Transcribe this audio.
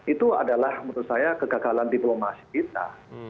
itu adalah menurut saya kegagalan diplomasi kita